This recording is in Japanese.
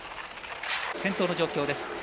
先頭の状況です。